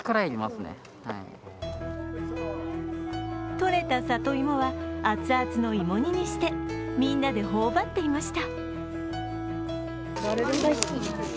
採れた里芋は、熱々の芋煮にしてみんなで頬張っていました。